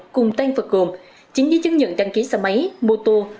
cùng tân phật cồm chính giới chứng nhận đăng ký xe máy mô tô